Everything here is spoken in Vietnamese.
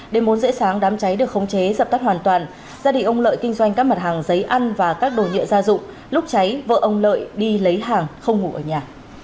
đêm bốn rễ sáng đám cháy được khống chế dập tắt hoàn toàn gia đình ông lợi kinh doanh các mặt hàng giấy ăn và các đồ nhựa gia dụng lúc cháy vợ ông lợi đi lấy hàng không ngủ ở nhà